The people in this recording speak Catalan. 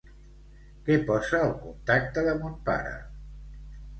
Què posa al contacte de mon pare?